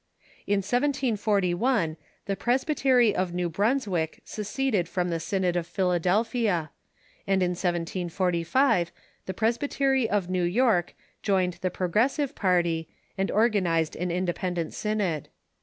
In 1741 the Presbytery of New Brunswick seceded from the Synod of Philadelphia, and in 1 745 the Presbytery of New York joined the progressive party and organized an independent synod.